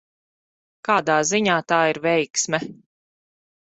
Kādā ziņā tā ir veiksme?